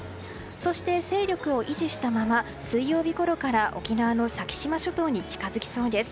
そして勢力を維持したまま水曜日ごろから沖縄の先島諸島に近づきそうです。